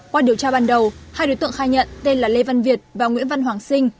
qua điều tra ban đầu hai đối tượng khai nhận tên là lê văn việt và nguyễn văn hoàng sinh